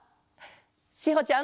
しほちゃん。